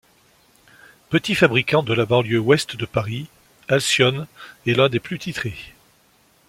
Petit fabricant de la banlieue ouest de Paris, Alcyon est l'un des plus titrés.